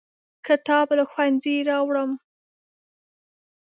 کتاب له ښوونځي راوړم.